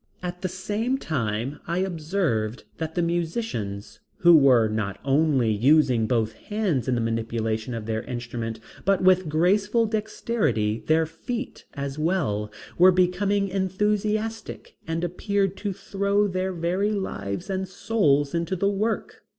At the same time I observed that the musicians, who were not only using both hands in the manipulation of their instruments but with graceful dexterity their feet as well, were becoming enthusiastic and appeared to throw their very lives and souls into the work.